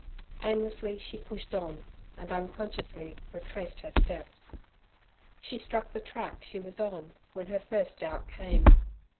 Aimlessly she pushed on, and unconsciously retraced her steps. She struck the track she was on when her first doubt came.